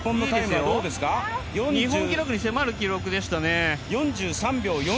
日本記録に迫る記録でしたね。